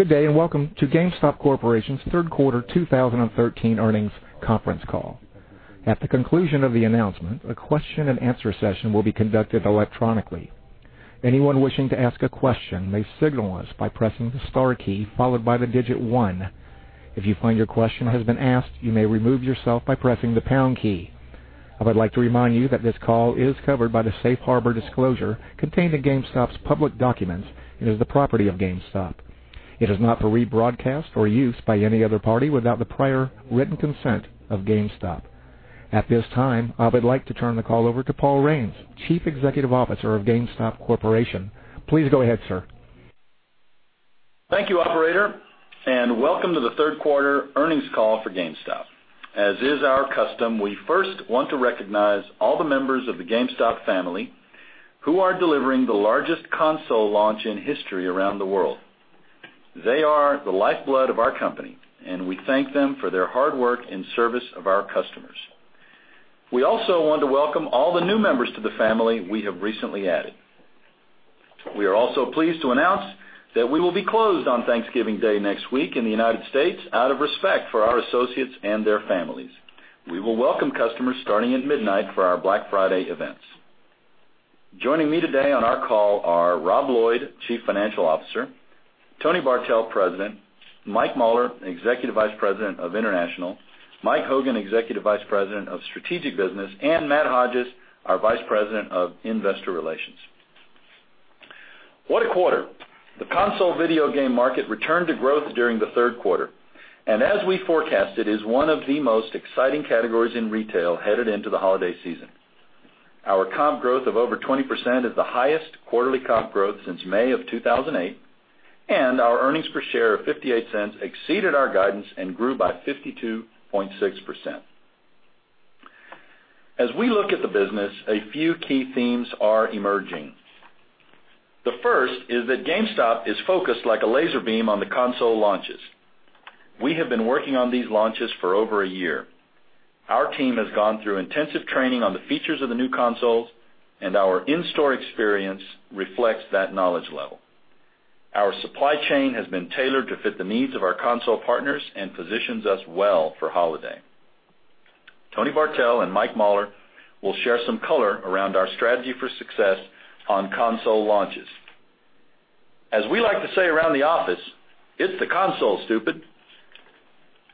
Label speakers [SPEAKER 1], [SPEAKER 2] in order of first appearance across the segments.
[SPEAKER 1] Good day, and welcome to GameStop Corporation's third quarter 2013 earnings conference call. At the conclusion of the announcement, a question and answer session will be conducted electronically. Anyone wishing to ask a question may signal us by pressing the star key, followed by the digit 1. If you find your question has been asked, you may remove yourself by pressing the pound key. I would like to remind you that this call is covered by the Safe Harbor disclosure contained in GameStop's public documents and is the property of GameStop. It is not for rebroadcast or use by any other party without the prior written consent of GameStop. At this time, I would like to turn the call over to Paul Raines, Chief Executive Officer of GameStop Corporation. Please go ahead, sir.
[SPEAKER 2] Thank you, operator, and welcome to the third quarter earnings call for GameStop. As is our custom, we first want to recognize all the members of the GameStop family who are delivering the largest console launch in history around the world. They are the lifeblood of our company, and we thank them for their hard work and service of our customers. We also want to welcome all the new members to the family we have recently added. We are also pleased to announce that we will be closed on Thanksgiving Day next week in the U.S. out of respect for our associates and their families. We will welcome customers starting at midnight for our Black Friday events. Joining me today on our call are Rob Lloyd, Chief Financial Officer, Tony Bartel, President, Mike Mauler, Executive Vice President of International, Mike Hogan, Executive Vice President of Strategic Business, and Matt Hodges, our Vice President of Investor Relations. What a quarter. The console video game market returned to growth during the third quarter, and as we forecasted, is one of the most exciting categories in retail headed into the holiday season. Our comp growth of over 20% is the highest quarterly comp growth since May of 2008, and our earnings per share of $0.58 exceeded our guidance and grew by 52.6%. As we look at the business, a few key themes are emerging. The first is that GameStop is focused like a laser beam on the console launches. We have been working on these launches for over a year. Our team has gone through intensive training on the features of the new consoles, and our in-store experience reflects that knowledge level. Our supply chain has been tailored to fit the needs of our console partners and positions us well for holiday. Tony Bartel and Mike Mauler will share some color around our strategy for success on console launches. As we like to say around the office, "It's the console, stupid."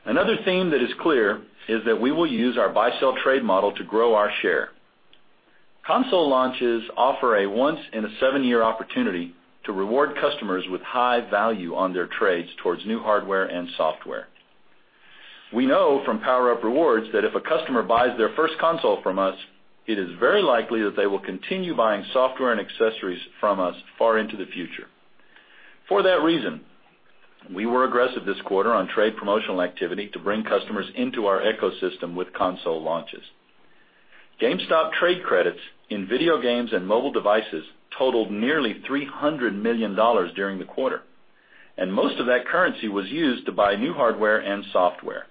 [SPEAKER 2] Another theme that is clear is that we will use our buy-sell trade model to grow our share. Console launches offer a once in a seven-year opportunity to reward customers with high value on their trades towards new hardware and software. We know from PowerUp Rewards that if a customer buys their first console from us, it is very likely that they will continue buying software and accessories from us far into the future. For that reason, we were aggressive this quarter on trade promotional activity to bring customers into our ecosystem with console launches. GameStop trade credits in video games and mobile devices totaled nearly $300 million during the quarter, and most of that currency was used to buy new hardware and software.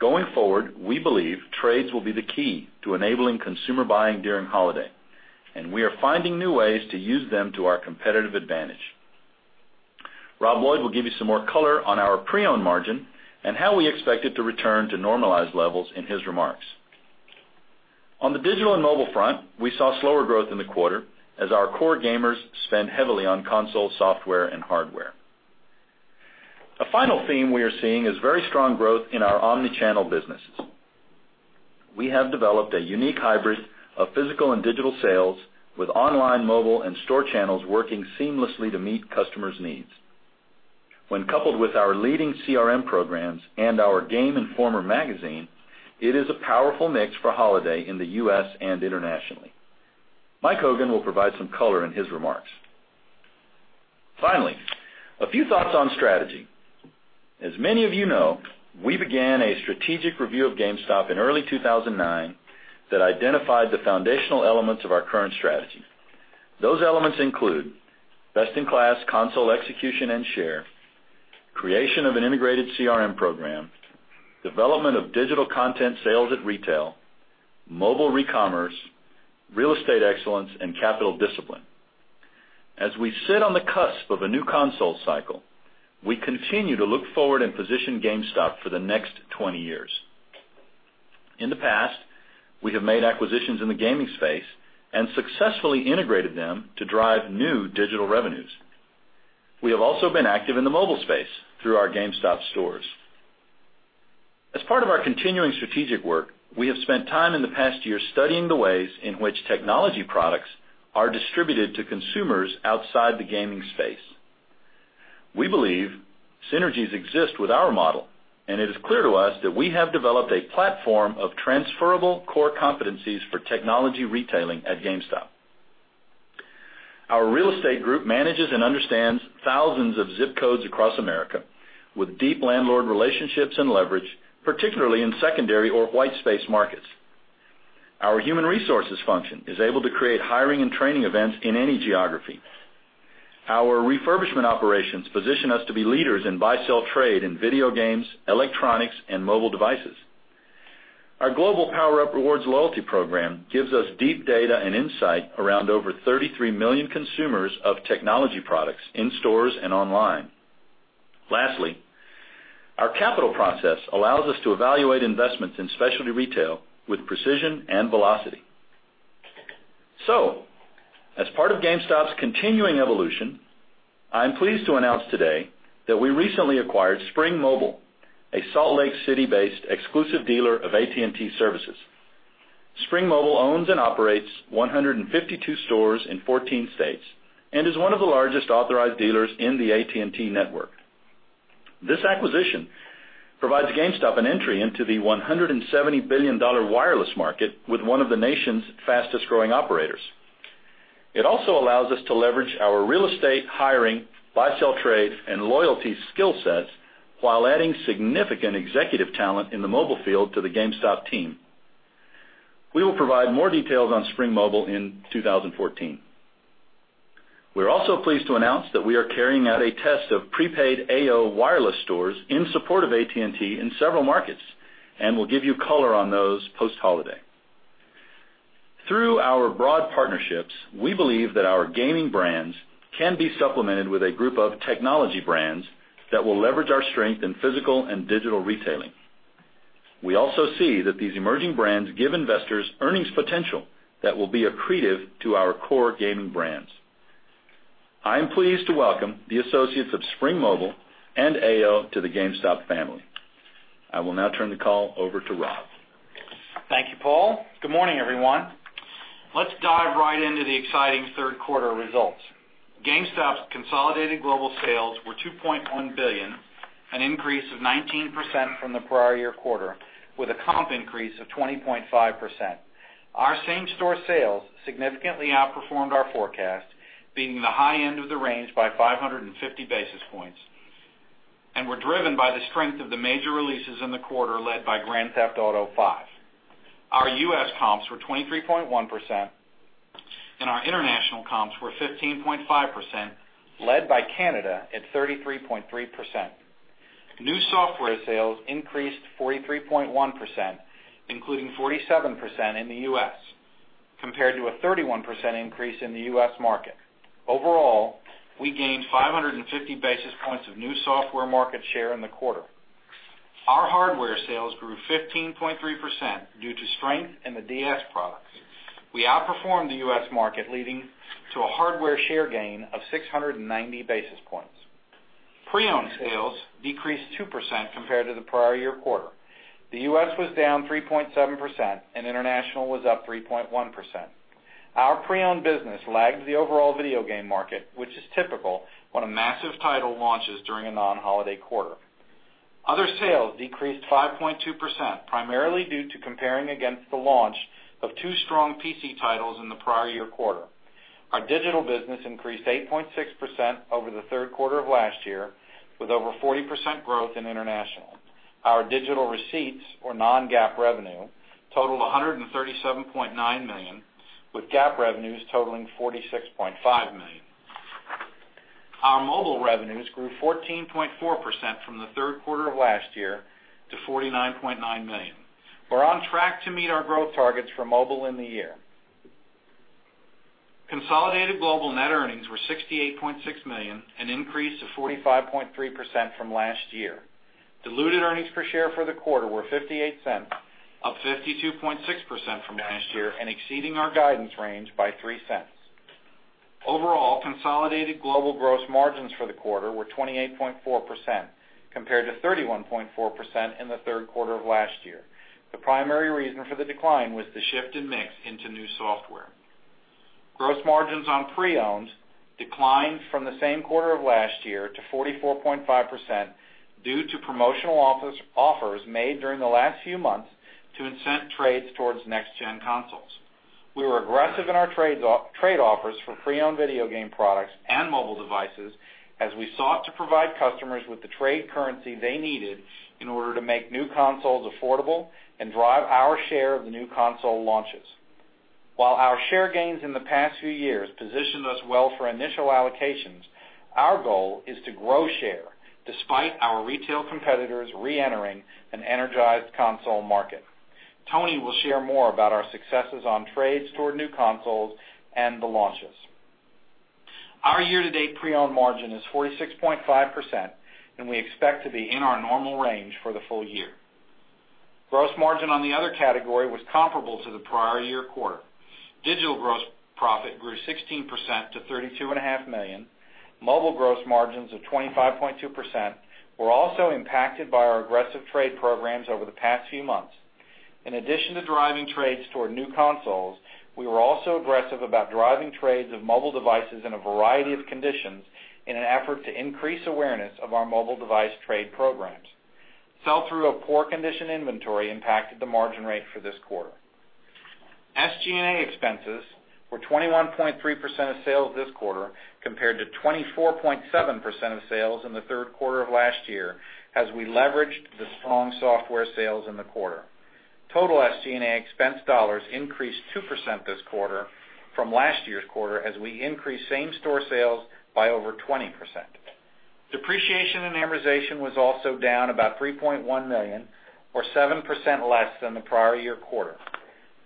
[SPEAKER 2] Going forward, we believe trades will be the key to enabling consumer buying during holiday, and we are finding new ways to use them to our competitive advantage. Rob Lloyd will give you some more color on our pre-owned margin and how we expect it to return to normalized levels in his remarks. On the digital and mobile front, we saw slower growth in the quarter as our core gamers spend heavily on console software and hardware. A final theme we are seeing is very strong growth in our omni-channel businesses. We have developed a unique hybrid of physical and digital sales with online, mobile, and store channels working seamlessly to meet customers' needs. When coupled with our leading CRM programs and our Game Informer magazine, it is a powerful mix for holiday in the U.S. and internationally. Mike Hogan will provide some color in his remarks. A few thoughts on strategy. As many of you know, we began a strategic review of GameStop in early 2009 that identified the foundational elements of our current strategy. Those elements include best-in-class console execution and share, creation of an integrated CRM program, development of digital content sales at retail, mobile recommerce, real estate excellence, and capital discipline. As we sit on the cusp of a new console cycle, we continue to look forward and position GameStop for the next 20 years. In the past, we have made acquisitions in the gaming space and successfully integrated them to drive new digital revenues. We have also been active in the mobile space through our GameStop stores. As part of our continuing strategic work, we have spent time in the past year studying the ways in which technology products are distributed to consumers outside the gaming space. We believe synergies exist with our model, and it is clear to us that we have developed a platform of transferable core competencies for technology retailing at GameStop. Our real estate group manages and understands thousands of zip codes across America with deep landlord relationships and leverage, particularly in secondary or white space markets. Our human resources function is able to create hiring and training events in any geography. Our refurbishment operations position us to be leaders in buy, sell, trade in video games, electronics, and mobile devices. Our global PowerUp Rewards loyalty program gives us deep data and insight around over 33 million consumers of technology products in stores and online. Lastly, our capital process allows us to evaluate investments in specialty retail with precision and velocity. As part of GameStop's continuing evolution, I'm pleased to announce today that we recently acquired Spring Mobile, a Salt Lake City-based exclusive dealer of AT&T services. Spring Mobile owns and operates 152 stores in 14 states and is one of the largest authorized dealers in the AT&T network. This acquisition provides GameStop an entry into the $170 billion wireless market with one of the nation's fastest-growing operators. It also allows us to leverage our real estate hiring, buy-sell trade, and loyalty skill sets while adding significant executive talent in the mobile field to the GameStop team. We will provide more details on Spring Mobile in 2014. We are also pleased to announce that we are carrying out a test of prepaid Aio Wireless stores in support of AT&T in several markets and will give you color on those post-holiday. Through our broad partnerships, we believe that our gaming brands can be supplemented with a group of technology brands that will leverage our strength in physical and digital retailing. We also see that these emerging brands give investors earnings potential that will be accretive to our core gaming brands. I am pleased to welcome the associates of Spring Mobile and Aio to the GameStop family. I will now turn the call over to Rob.
[SPEAKER 3] Thank you, Paul. Good morning, everyone. Let's dive right into the exciting third quarter results. GameStop's consolidated global sales were $2.1 billion, an increase of 19% from the prior year quarter with a comp increase of 20.5%. Our same-store sales significantly outperformed our forecast, beating the high end of the range by 550 basis points, and were driven by the strength of the major releases in the quarter led by Grand Theft Auto V. Our U.S. comps were 23.1% and our international comps were 15.5%, led by Canada at 33.3%. New software sales increased 43.1%, including 47% in the U.S., compared to a 31% increase in the U.S. market. Overall, we gained 550 basis points of new software market share in the quarter. Our hardware sales grew 15.3% due to strength in the 3DS products. We outperformed the U.S. market, leading to a hardware share gain of 690 basis points. Pre-owned sales decreased 2% compared to the prior year quarter. The U.S. was down 3.7% and international was up 3.1%. Our pre-owned business lagged the overall video game market, which is typical when a massive title launches during a non-holiday quarter. Other sales decreased 5.2%, primarily due to comparing against the launch of two strong PC titles in the prior year quarter. Our digital business increased 8.6% over the third quarter of last year, with over 40% growth in international. Our digital receipts or non-GAAP revenue totaled $137.9 million, with GAAP revenues totaling $46.5 million. Our mobile revenues grew 14.4% from the third quarter of last year to $49.9 million. We are on track to meet our growth targets for mobile in the year. Consolidated global net earnings were $68.6 million, an increase of 45.3% from last year. Diluted earnings per share for the quarter were $0.58, up 52.6% from last year and exceeding our guidance range by $0.03. Overall, consolidated global gross margins for the quarter were 28.4% compared to 31.4% in the third quarter of last year. The primary reason for the decline was the shift in mix into new software. Gross margins on pre-owned declined from the same quarter of last year to 44.5% due to promotional offers made during the last few months to incent trades towards next-gen consoles. We were aggressive in our trade offers for pre-owned video game products and mobile devices as we sought to provide customers with the trade currency they needed in order to make new consoles affordable and drive our share of the new console launches. While our share gains in the past few years positioned us well for initial allocations, our goal is to grow share despite our retail competitors reentering an energized console market. Tony will share more about our successes on trades toward new consoles and the launches. Our year-to-date pre-owned margin is 46.5%, and we expect to be in our normal range for the full year. Gross margin on the other category was comparable to the prior year quarter. Digital gross profit grew 16% to $32.5 million. Mobile gross margins of 25.2% were also impacted by our aggressive trade programs over the past few months. In addition to driving trades toward new consoles, we were also aggressive about driving trades of mobile devices in a variety of conditions in an effort to increase awareness of our mobile device trade programs. Sell-through of poor condition inventory impacted the margin rate for this quarter. SG&A expenses were 21.3% of sales this quarter compared to 24.7% of sales in the third quarter of last year as we leveraged the strong software sales in the quarter. Total SG&A expense dollars increased 2% this quarter from last year's quarter as we increased same-store sales by over 20%. Depreciation and amortization was also down about $3.1 million or 7% less than the prior year quarter.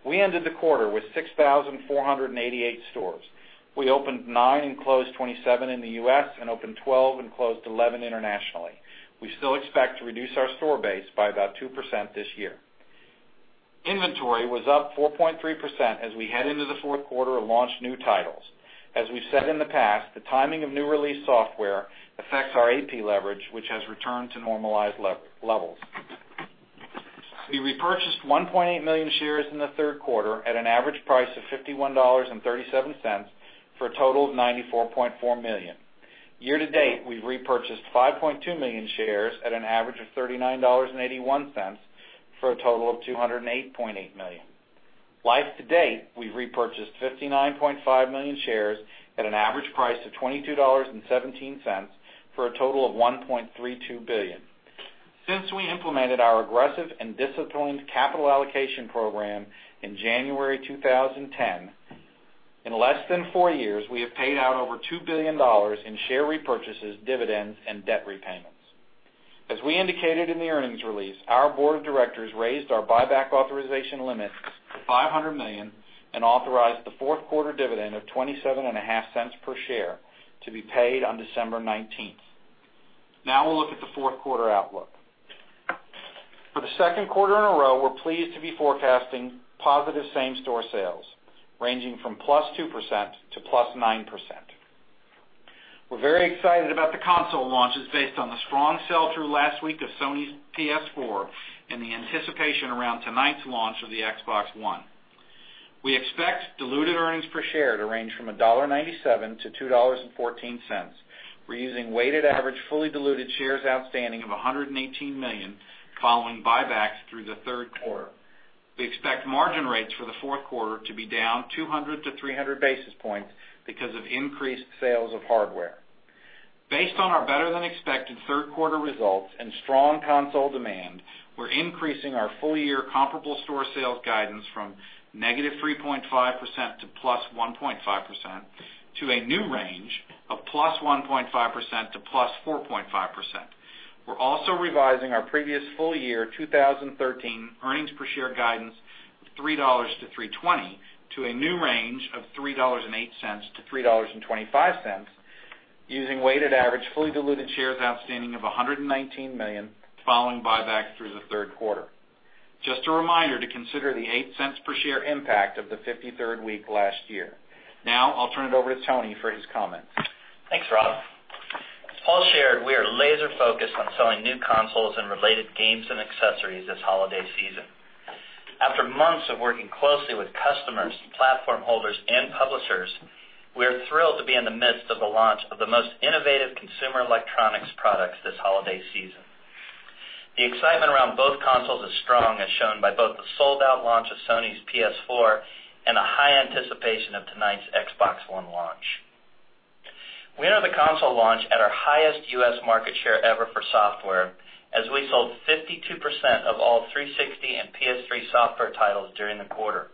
[SPEAKER 3] We ended the quarter with 6,488 stores. We opened nine and closed 27 in the U.S. and opened 12 and closed 11 internationally. We still expect to reduce our store base by about 2% this year. Inventory was up 4.3% as we head into the fourth quarter and launched new titles. As we've said in the past, the timing of new release software affects our AP leverage, which has returned to normalized levels. We repurchased 1.8 million shares in the third quarter at an average price of $51.37 for a total of $94.4 million. Year-to-date, we've repurchased 5.2 million shares at an average of $39.81 for a total of $208.8 million. Life to date, we've repurchased 59.5 million shares at an average price of $22.17 for a total of $1.32 billion. Since we implemented our aggressive and disciplined capital allocation program in January 2010, in less than four years, we have paid out over $2 billion in share repurchases, dividends, and debt repayments. As we indicated in the earnings release, our board of directors raised our buyback authorization limits to $500 million and authorized the fourth quarter dividend of $0.275 per share to be paid on December 19th. Now we'll look at the fourth quarter outlook. For the second quarter in a row, we're pleased to be forecasting positive same-store sales ranging from +2% to +9%. We're very excited about the console launches based on the strong sell-through last week of Sony's PS4 and the anticipation around tonight's launch of the Xbox One. We expect diluted earnings per share to range from $1.97 to $2.14. We're using weighted average fully diluted shares outstanding of 118 million following buybacks through the third quarter. We expect margin rates for the fourth quarter to be down 200 to 300 basis points because of increased sales of hardware. Based on our better-than-expected third-quarter results and strong console demand, we're increasing our full-year comparable store sales guidance from -3.5% to +1.5% to a new range of +1.5% to +4.5%. We're also revising our previous full-year 2013 earnings per share guidance of $3-$3.20 to a new range of $3.08-$3.25, using weighted average fully diluted shares outstanding of 119 million following buyback through the third quarter. Just a reminder to consider the $0.08 per share impact of the 53rd week last year. I'll turn it over to Tony for his comments.
[SPEAKER 4] Thanks, Rob. As Paul shared, we are laser-focused on selling new consoles and related games and accessories this holiday season. After months of working closely with customers, platform holders, and publishers, we are thrilled to be in the midst of the launch of the most innovative consumer electronics products this holiday season. The excitement around both consoles is strong, as shown by both the sold-out launch of Sony's PS4 and the high anticipation of tonight's Xbox One launch. We enter the console launch at our highest U.S. market share ever for software, as we sold 52% of all 360 and PS3 software titles during the quarter.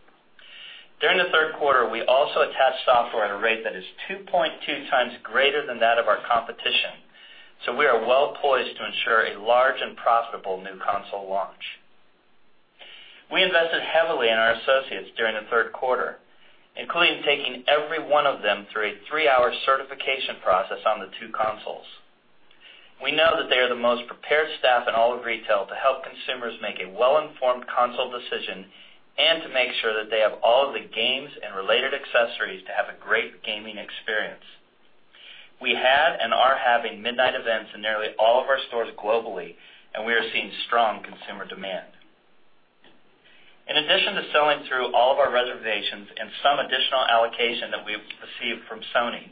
[SPEAKER 4] During the third quarter, we also attached software at a rate that is 2.2 times greater than that of our competition, we are well-poised to ensure a large and profitable new console launch. We invested heavily in our associates during the third quarter, including taking every one of them through a three-hour certification process on the two consoles. We know that they are the most prepared staff in all of retail to help consumers make a well-informed console decision and to make sure that they have all of the games and related accessories to have a great gaming experience. We had and are having midnight events in nearly all of our stores globally, we are seeing strong consumer demand. In addition to selling through all of our reservations and some additional allocation that we've received from Sony,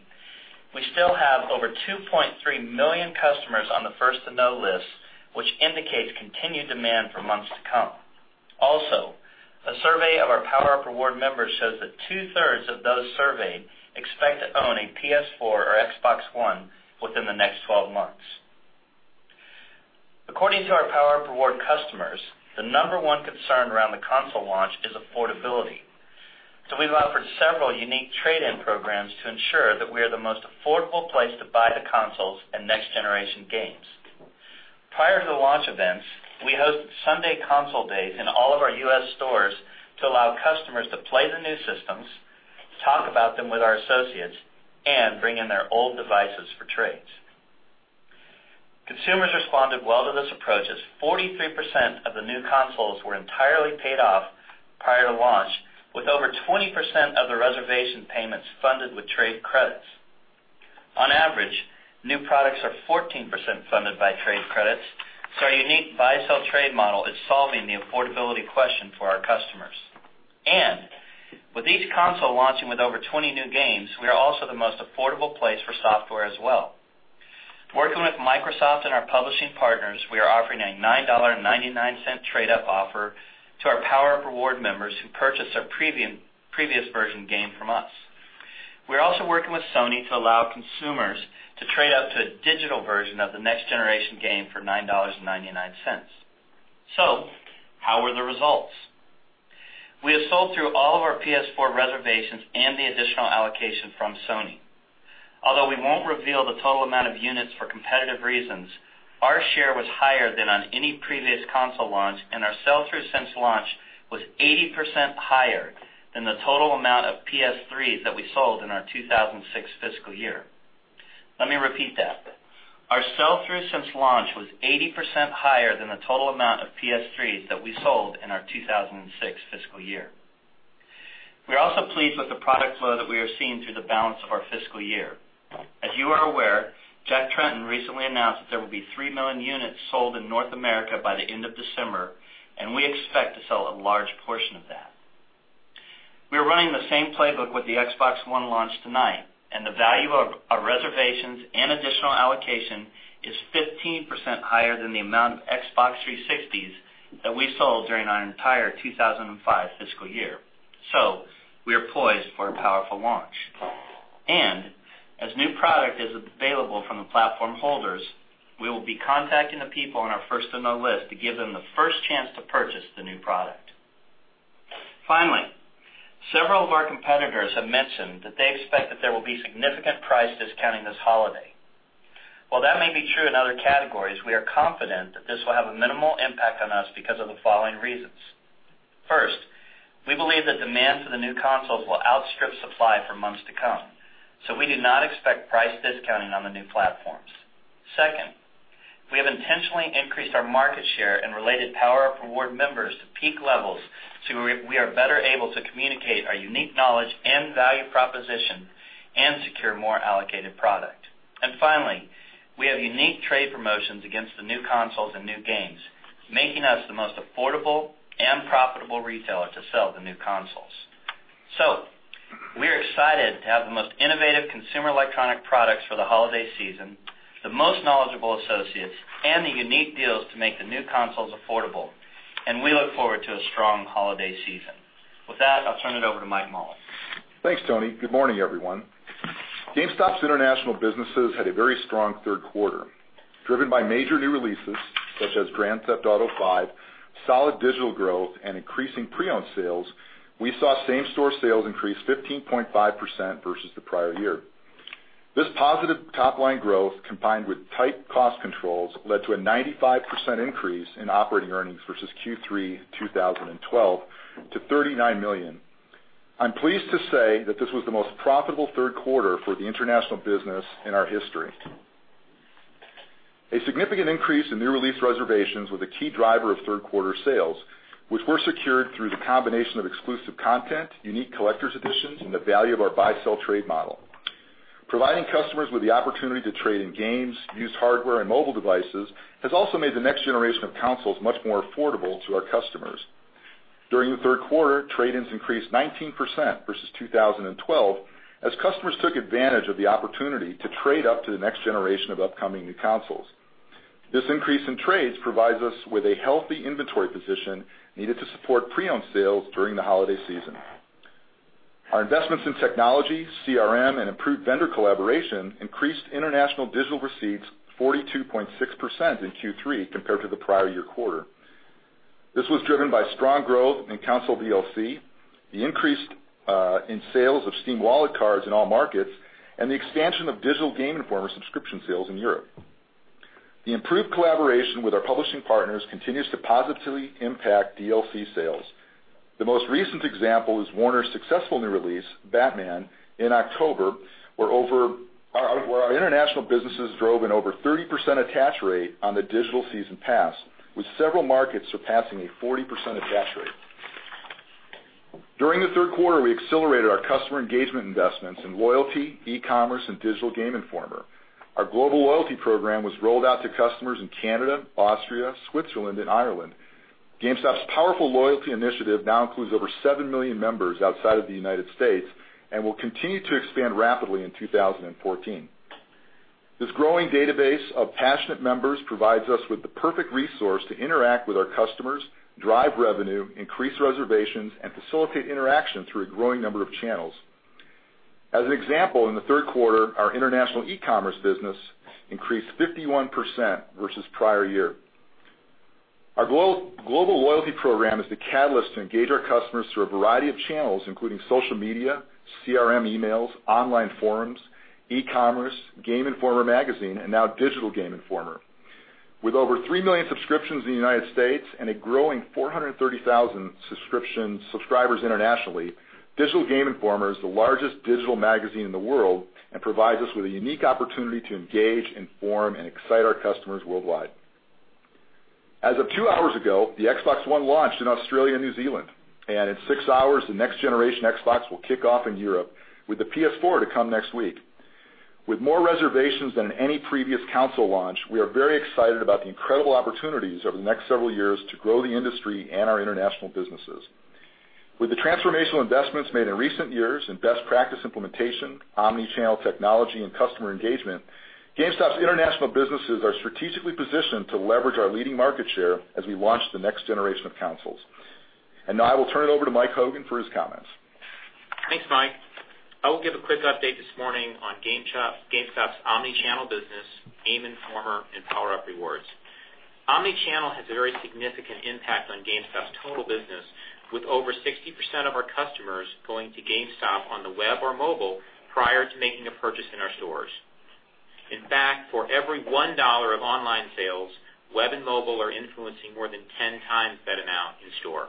[SPEAKER 4] we still have over 2.3 million customers on the First to Know list, which indicates continued demand for months to come. A survey of our PowerUp Rewards members shows that two-thirds of those surveyed expect to own a PS4 or Xbox One within the next 12 months. According to our PowerUp Rewards customers, the number one concern around the console launch is affordability. We've offered several unique trade-in programs to ensure that we are the most affordable place to buy the consoles and next-generation games. Prior to the launch events, we hosted Sunday console days in all of our U.S. stores to allow customers to play the new systems, talk about them with our associates, and bring in their old devices for trades. Consumers responded well to this approach, as 43% of the new consoles were entirely paid off prior to launch, with over 20% of the reservation payments funded with trade credits. On average, new products are 14% funded by trade credits, our unique buy-sell-trade model is solving the affordability question for our customers. With each console launching with over 20 new games, we are also the most affordable place for software as well. Working with Microsoft and our publishing partners, we are offering a $9.99 trade-up offer to our PowerUp Rewards members who purchase a previous version game from us. We're also working with Sony to allow consumers to trade up to a digital version of the next-generation game for $9.99. How were the results? We have sold through all of our PS4 reservations and the additional allocation from Sony. Although we won't reveal the total amount of units for competitive reasons, our share was higher than on any previous console launch, and our sell-through since launch was 80% higher than the total amount of PS3s that we sold in our 2006 fiscal year. Let me repeat that. Our sell-through since launch was 80% higher than the total amount of PS3s that we sold in our 2006 fiscal year. We are also pleased with the product flow that we are seeing through the balance of our fiscal year. As you are aware, Jack Tretton recently announced that there will be 3 million units sold in North America by the end of December, and we expect to sell a large portion of that. We are running the same playbook with the Xbox One launch tonight, the value of our reservations and additional allocation is 15% higher than the amount of Xbox 360s that we sold during our entire 2005 fiscal year. We are poised for a powerful launch. As new product is available from the platform holders, we will be contacting the people on our First to Know list to give them the first chance to purchase the new product. Finally, several of our competitors have mentioned that they expect that there will be significant price discounting this holiday. While that may be true in other categories, we are confident that this will have a minimal impact on us because of the following reasons. First, we believe that demand for the new consoles will outstrip supply for months to come, so we do not expect price discounting on the new platforms. Second, we have intentionally increased our market share and related PowerUp Rewards members to peak levels so we are better able to communicate our unique knowledge and value proposition and secure more allocated product. Finally, we have unique trade promotions against the new consoles and new games, making us the most affordable and profitable retailer to sell the new consoles. We're excited to have the most innovative consumer electronic products for the holiday season, the most knowledgeable associates, and the unique deals to make the new consoles affordable. We look forward to a strong holiday season. With that, I'll turn it over to Mike Mauler.
[SPEAKER 5] Thanks, Tony. Good morning, everyone. GameStop's international businesses had a very strong third quarter. Driven by major new releases such as Grand Theft Auto V, solid digital growth, and increasing pre-owned sales, we saw same-store sales increase 15.5% versus the prior year. This positive top-line growth, combined with tight cost controls, led to a 95% increase in operating earnings versus Q3 2012 to $39 million. I'm pleased to say that this was the most profitable third quarter for the international business in our history. A significant increase in new release reservations was a key driver of third-quarter sales, which were secured through the combination of exclusive content, unique collector's editions, and the value of our buy-sell trade model. Providing customers with the opportunity to trade in games, used hardware, and mobile devices has also made the next generation of consoles much more affordable to our customers. During the third quarter, trade-ins increased 19% versus 2012, as customers took advantage of the opportunity to trade up to the next generation of upcoming new consoles. This increase in trades provides us with a healthy inventory position needed to support pre-owned sales during the holiday season. Our investments in technology, CRM, and improved vendor collaboration increased international digital receipts 42.6% in Q3 compared to the prior year quarter. This was driven by strong growth in console DLC, the increase in sales of Steam wallet cards in all markets, and the expansion of Digital Game Informer subscription sales in Europe. The improved collaboration with our publishing partners continues to positively impact DLC sales. The most recent example is Warner's successful new release, Batman, in October, where our international businesses drove an over 30% attach rate on the digital season pass, with several markets surpassing a 40% attach rate. During the third quarter, we accelerated our customer engagement investments in loyalty, e-commerce, and Digital Game Informer. Our global loyalty program was rolled out to customers in Canada, Austria, Switzerland, and Ireland. GameStop's powerful loyalty initiative now includes over 7 million members outside of the United States and will continue to expand rapidly in 2014. This growing database of passionate members provides us with the perfect resource to interact with our customers, drive revenue, increase reservations, and facilitate interaction through a growing number of channels. As an example, in the third quarter, our international e-commerce business increased 51% versus the prior year. Our global loyalty program is the catalyst to engage our customers through a variety of channels, including social media, CRM emails, online forums, e-commerce, Game Informer magazine, and now Digital Game Informer. With over 3 million subscriptions in the United States and a growing 430,000 subscribers internationally, Digital Game Informer is the largest digital magazine in the world and provides us with a unique opportunity to engage, inform, and excite our customers worldwide. As of two hours ago, the Xbox One launched in Australia and New Zealand, and in six hours, the next-generation Xbox will kick off in Europe, with the PS4 to come next week. With more reservations than any previous console launch, we are very excited about the incredible opportunities over the next several years to grow the industry and our international businesses. With the transformational investments made in recent years in best practice implementation, omni-channel technology, and customer engagement, GameStop's international businesses are strategically positioned to leverage our leading market share as we launch the next generation of consoles. I will turn it over to Mike Hogan for his comments.
[SPEAKER 6] Thanks, Mike. I will give a quick update this morning on GameStop's omni-channel business, Game Informer, and PowerUp Rewards. Omni-channel has a very significant impact on GameStop's total business, with over 60% of our customers going to GameStop on the web or mobile prior to making a purchase in our stores. In fact, for every $1 of online sales, web and mobile are influencing more than 10 times that amount in store.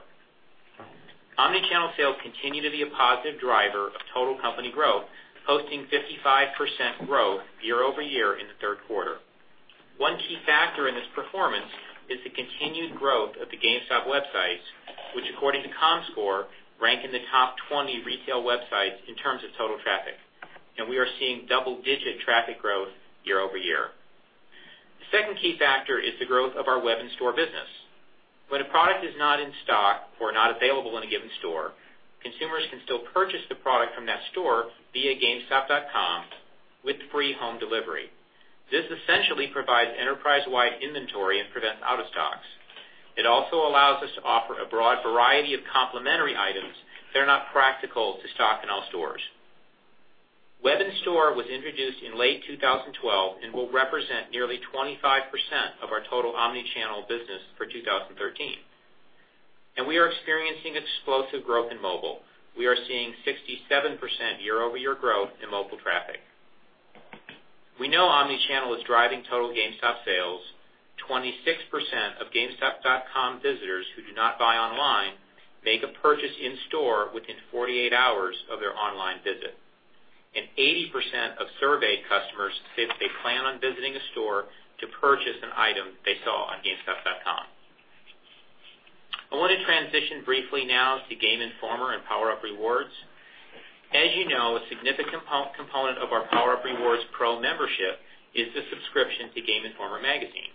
[SPEAKER 6] Omni-channel sales continue to be a positive driver of total company growth, posting 55% growth year-over-year in the third quarter. One key factor in this performance is the continued growth of the GameStop websites, which according to Comscore, rank in the top 20 retail websites in terms of total traffic. We are seeing double-digit traffic growth year-over-year. The second key factor is the growth of our web and store business. When a product is not in stock or not available in a given store, consumers can still purchase the product from that store via gamestop.com with free home delivery. This essentially provides enterprise-wide inventory and prevents out-of-stocks. It also allows us to offer a broad variety of complementary items that are not practical to stock in all stores. Web in store was introduced in late 2012 and will represent nearly 25% of our total omni-channel business for 2013. We are experiencing explosive growth in mobile. We are seeing 67% year-over-year growth in mobile traffic. We know omni-channel is driving total GameStop sales. 26% of gamestop.com visitors who do not buy online make a purchase in store within 48 hours of their online visit. 80% of surveyed customers said they plan on visiting a store to purchase an item they saw on gamestop.com. I want to transition briefly now to Game Informer and PowerUp Rewards. As you know, a significant component of our PowerUp Rewards Pro membership is the subscription to Game Informer Magazine.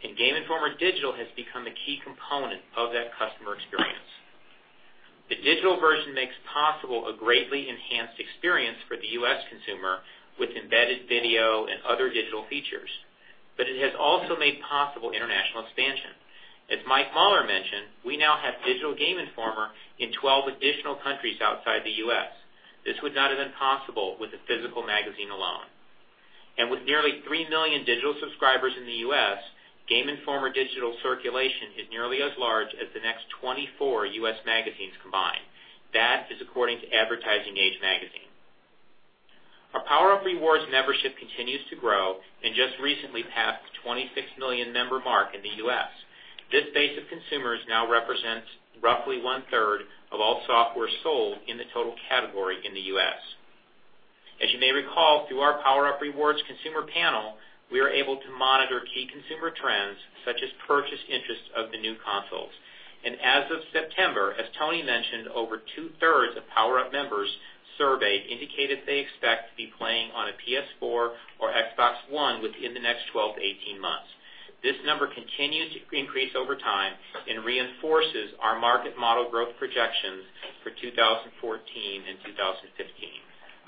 [SPEAKER 6] Game Informer Digital has become a key component of that customer experience. The digital version makes possible a greatly enhanced experience for the U.S. consumer with embedded video and other digital features, but it has also made possible international expansion. As Mike Mauler mentioned, we now have digital Game Informer in 12 additional countries outside the U.S. This would not have been possible with the physical magazine alone. With nearly three million digital subscribers in the U.S., Game Informer digital circulation is nearly as large as the next 24 U.S. magazines combined. That is according to Advertising Age Magazine. Our PowerUp Rewards membership continues to grow and just recently passed the 26 million member mark in the U.S. This base of consumers now represents roughly one-third of all software sold in the total category in the U.S. As you may recall, through our PowerUp Rewards consumer panel, we are able to monitor key consumer trends such as purchase interest of the new consoles. As of September, as Tony mentioned, over two-thirds of PowerUp members surveyed indicated they expect to be playing on a PS4 or Xbox One within the next 12 to 18 months. This number continues to increase over time and reinforces our market model growth projections for 2014 and 2015.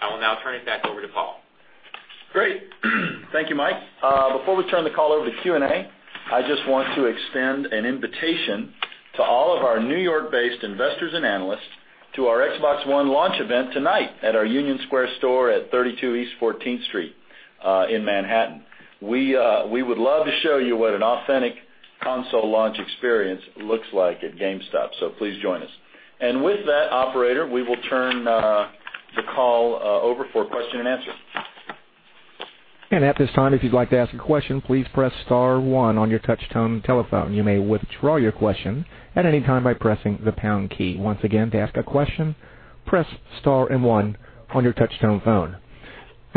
[SPEAKER 6] I will now turn it back over to Paul.
[SPEAKER 2] Great. Thank you, Mike. Before we turn the call over to Q&A, I just want to extend an invitation to all of our New York-based investors and analysts to our Xbox One launch event tonight at our Union Square store at 32 East 14th Street in Manhattan. We would love to show you what an authentic console launch experience looks like at GameStop, so please join us. With that, operator, we will turn the call over for question and answer.
[SPEAKER 1] At this time, if you'd like to ask a question, please press star one on your touch tone telephone. You may withdraw your question at any time by pressing the pound key. Once again, to ask a question, press star and one on your touch tone phone.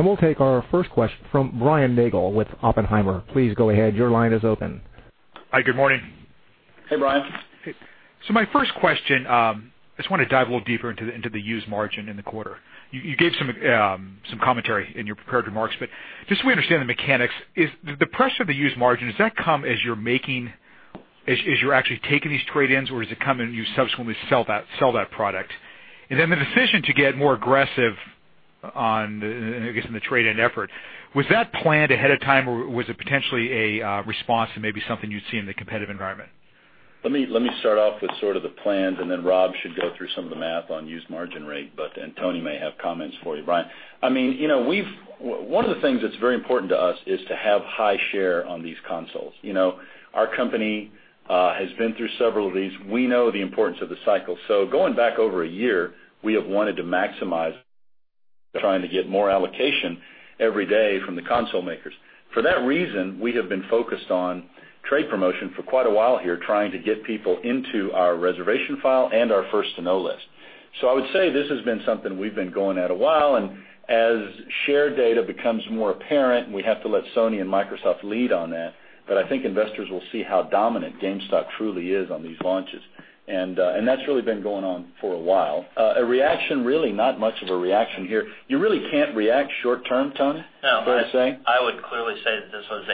[SPEAKER 1] We'll take our first question from Brian Nagel with Oppenheimer. Please go ahead. Your line is open.
[SPEAKER 7] Hi, good morning.
[SPEAKER 2] Hey, Brian.
[SPEAKER 7] My first question, I just want to dive a little deeper into the used margin in the quarter. You gave some commentary in your prepared remarks, but just so we understand the mechanics, the pressure of the used margin, does that come as you're actually taking these trade-ins, or does it come and you subsequently sell that product? The decision to get more aggressive on, I guess, in the trade-in effort, was that planned ahead of time, or was it potentially a response to maybe something you'd see in the competitive environment?
[SPEAKER 2] Let me start off with sort of the plans. Rob should go through some of the math on used margin rate. Tony may have comments for you, Brian. One of the things that's very important to us is to have high share on these consoles. Our company has been through several of these. We know the importance of the cycle. Going back over a year, we have wanted to maximize trying to get more allocation every day from the console makers. For that reason, we have been focused on trade promotion for quite a while here, trying to get people into our reservation file and our First to Know list. I would say this has been something we've been going at a while. As share data becomes more apparent, we have to let Sony and Microsoft lead on that, but I think investors will see how dominant GameStop truly is on these launches. That's really been going on for a while. A reaction, really not much of a reaction here. You really can't react short term, Tony, is that what you're saying?
[SPEAKER 4] No, I would clearly say that this was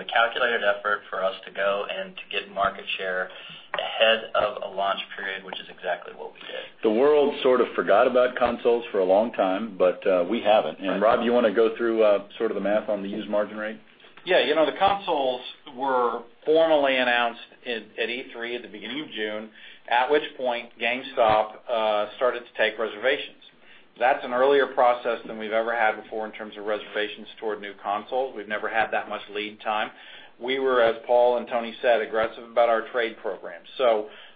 [SPEAKER 4] a calculated effort for us to go and to get market share ahead of a launch period, which is exactly what we did.
[SPEAKER 2] The world sort of forgot about consoles for a long time, but we haven't. Rob, you want to go through sort of the math on the used margin rate?
[SPEAKER 4] The consoles were formally announced at E3 at the beginning of June, at which point GameStop started to take reservations.
[SPEAKER 3] That's an earlier process than we've ever had before in terms of reservations toward new consoles. We've never had that much lead time. We were, as Paul and Tony said, aggressive about our trade program.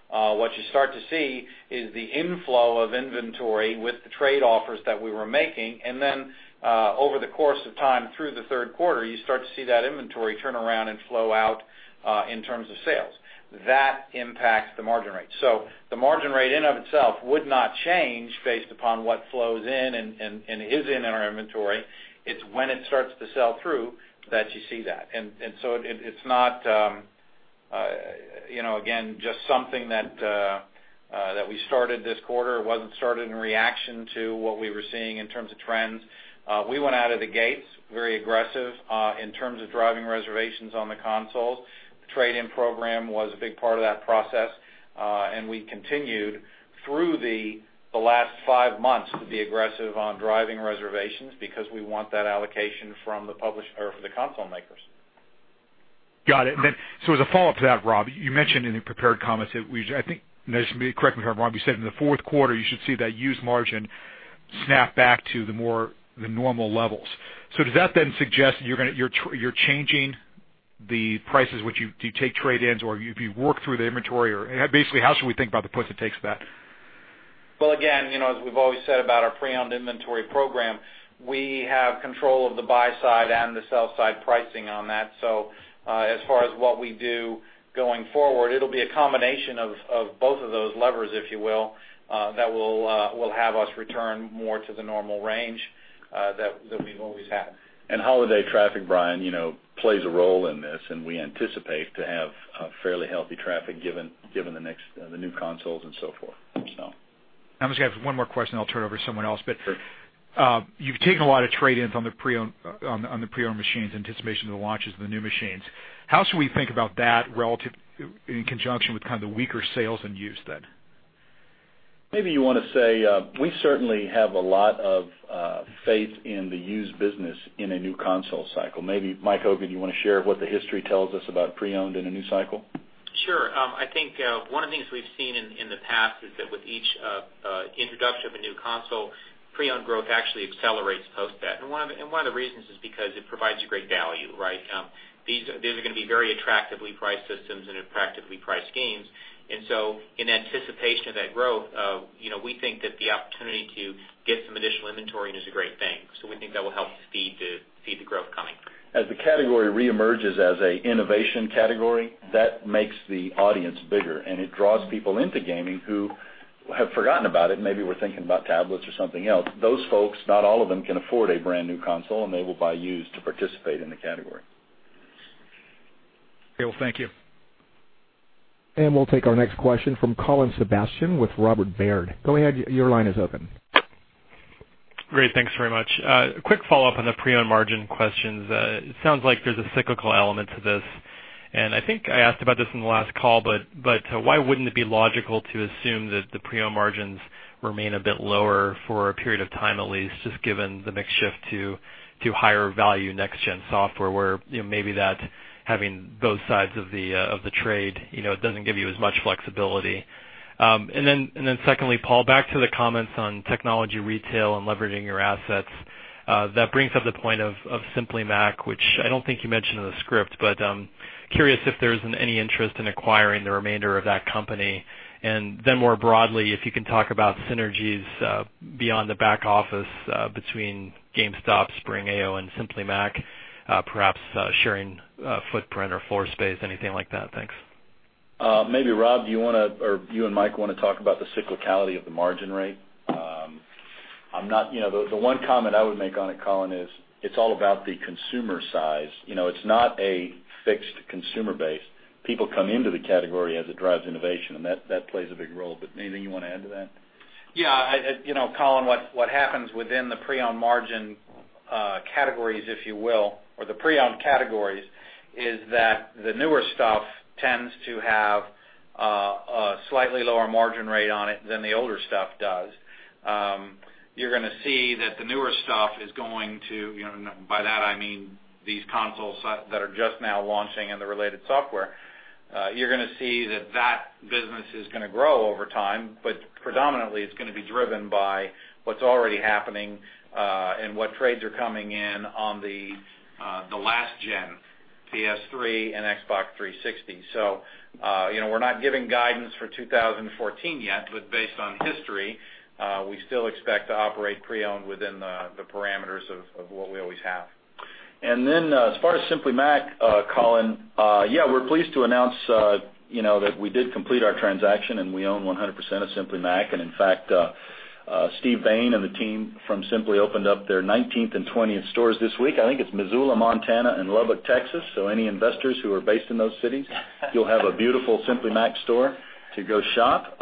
[SPEAKER 3] What you start to see is the inflow of inventory with the trade offers that we were making, then over the course of time through the third quarter, you start to see that inventory turn around and flow out, in terms of sales. That impacts the margin rate. The margin rate in and of itself would not change based upon what flows in and is in our inventory. It's when it starts to sell through that you see that. It's not, again, just something that we started this quarter. It wasn't started in reaction to what we were seeing in terms of trends. We went out of the gates very aggressive, in terms of driving reservations on the consoles. The trade-in program was a big part of that process. We continued through the last five months to be aggressive on driving reservations because we want that allocation from the console makers.
[SPEAKER 7] Got it. As a follow-up to that, Rob, you mentioned in the prepared comments that we, I think, correct me if I'm wrong, you said in the fourth quarter, you should see that used margin snap back to the more, the normal levels. Does that then suggest that you're changing the prices which you take trade-ins, or if you work through the inventory, or basically how should we think about the puts and takes of that?
[SPEAKER 3] Well, again, as we've always said about our pre-owned inventory program, we have control of the buy side and the sell side pricing on that. As far as what we do going forward, it'll be a combination of both of those levers, if you will, that will have us return more to the normal range that we've always had.
[SPEAKER 2] Holiday traffic, Brian, plays a role in this, and we anticipate to have a fairly healthy traffic given the new consoles and so forth.
[SPEAKER 7] I'm just going to have one more question, then I'll turn it over to someone else.
[SPEAKER 2] Sure.
[SPEAKER 7] You've taken a lot of trade-ins on the pre-owned machines in anticipation of the launches of the new machines. How should we think about that in conjunction with kind of the weaker sales and used then?
[SPEAKER 2] Maybe you want to say, we certainly have a lot of faith in the used business in a new console cycle. Maybe Mike Hogan, do you want to share what the history tells us about pre-owned in a new cycle?
[SPEAKER 6] Sure. I think one of the things we've seen in the past is that with each introduction of a new console, pre-owned growth actually accelerates post that. One of the reasons is because it provides great value, right? These are going to be very attractively priced systems and attractively priced games. In anticipation of that growth, we think that the opportunity to get some additional inventory is a great thing. We think that will help feed the growth coming.
[SPEAKER 2] As the category re-emerges as an innovation category, that makes the audience bigger, and it draws people into gaming who have forgotten about it, maybe were thinking about tablets or something else. Those folks, not all of them can afford a brand-new console, and they will buy used to participate in the category.
[SPEAKER 7] Okay. Well, thank you.
[SPEAKER 1] We'll take our next question from Colin Sebastian with Robert W. Baird. Go ahead, your line is open.
[SPEAKER 8] Great. Thanks very much. Quick follow-up on the pre-owned margin questions. It sounds like there's a cyclical element to this, and I think I asked about this on the last call, but why wouldn't it be logical to assume that the pre-owned margins remain a bit lower for a period of time at least, just given the mix shift to higher value next gen software, where maybe that having both sides of the trade, it doesn't give you as much flexibility. Secondly, Paul, back to the comments on technology retail and leveraging your assets. That brings up the point of Simply Mac, which I don't think you mentioned in the script, but I'm curious if there's any interest in acquiring the remainder of that company. More broadly, if you can talk about synergies beyond the back office between GameStop, Spring, Aio, and Simply Mac, perhaps sharing footprint or floor space, anything like that. Thanks.
[SPEAKER 2] Maybe, Rob, do you want to, or you and Mike want to talk about the cyclicality of the margin rate? The one comment I would make on it, Colin, is it's all about the consumer size. It's not a fixed consumer base. People come into the category as it drives innovation, that plays a big role. Anything you want to add to that?
[SPEAKER 3] Yeah. Colin, what happens within the pre-owned margin categories, if you will, or the pre-owned categories, is that the newer stuff tends to have a slightly lower margin rate on it than the older stuff does. You're going to see that the newer stuff is going to, by that I mean these consoles that are just now launching and the related software. You're going to see that that business is going to grow over time, but predominantly it's going to be driven by what's already happening, what trades are coming in on the last gen PlayStation 3 and Xbox 360. We're not giving guidance for 2014 yet, but based on history, we still expect to operate pre-owned within the parameters of what we always have.
[SPEAKER 2] As far as Simply Mac, Colin, yeah, we're pleased to announce that we did complete our transaction and we own 100% of Simply Mac, and in fact, Steven Bain and the team from Simply opened up their 19th and 20th stores this week. I think it's Missoula, Montana and Lubbock, Texas. Any investors who are based in those cities, you'll have a beautiful Simply Mac store to go shop.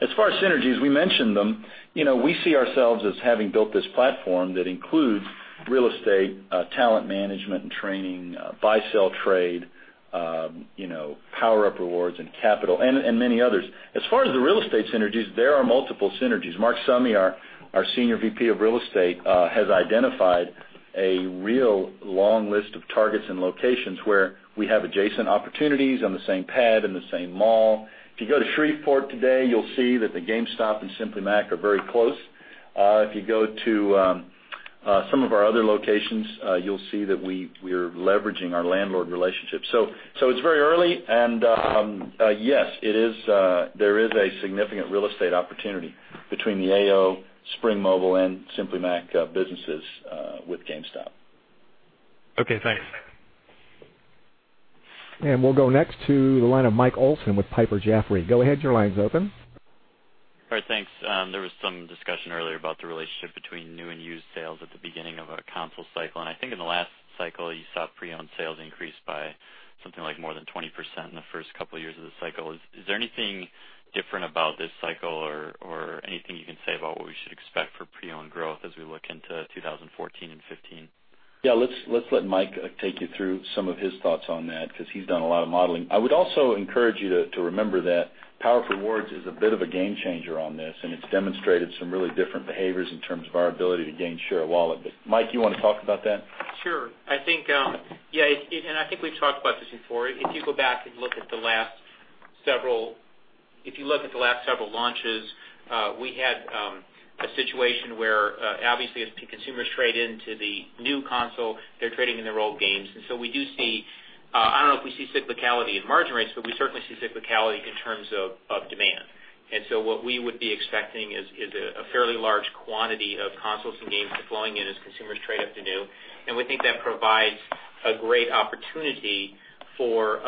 [SPEAKER 2] As far as synergies, we mentioned them. We see ourselves as having built this platform that includes real estate, talent management and training, buy, sell, trade, PowerUp Rewards and capital, and many others. As far as the real estate synergies, there are multiple synergies. Mark Robinson, our Senior VP of Real Estate, has identified a real long list of targets and locations where we have adjacent opportunities on the same pad, in the same mall. If you go to Shreveport today, you'll see that the GameStop and Simply Mac are very close. If you go to some of our other locations, you'll see that we're leveraging our landlord relationships. It's very early, and yes, there is a significant real estate opportunity between the Aio, Spring Mobile, and Simply Mac businesses with GameStop.
[SPEAKER 8] Okay, thanks.
[SPEAKER 1] We'll go next to the line of Michael Olson with Piper Jaffray. Go ahead, your line's open.
[SPEAKER 9] All right, thanks. There was some discussion earlier about the relationship between new and used sales at the beginning of a console cycle, I think in the last cycle you saw pre-owned sales increase by something like more than 20% in the first couple years of the cycle. Is there anything different about this cycle or anything you can say about what we should expect for pre-owned growth as we look into 2014 and 2015?
[SPEAKER 2] let's let Mike take you through some of his thoughts on that because he's done a lot of modeling. I would also encourage you to remember that PowerUp Rewards is a bit of a game changer on this, and it's demonstrated some really different behaviors in terms of our ability to gain share of wallet. Mike, you want to talk about that?
[SPEAKER 6] Sure. I think we've talked about this before. If you look at the last several launches, we had a situation where obviously as consumers trade into the new console, they're trading in their old games. I don't know if we see cyclicality in margin rates, but we certainly see cyclicality in terms of demand. What we would be expecting is a fairly large quantity of consoles and games flowing in as consumers trade up to new. We think that provides a great opportunity for